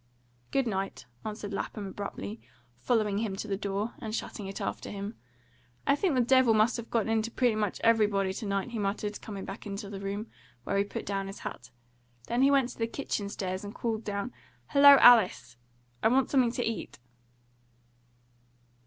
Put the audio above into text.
"Good night," answered Lapham abruptly, following him to the door, and shutting it after him. "I think the devil must have got into pretty much everybody to night," he muttered, coming back to the room, where he put down his hat. Then he went to the kitchen stairs and called down, "Hello, Alice! I want something to eat!"